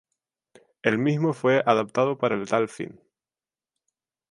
El mismo fue adaptado para tal fin.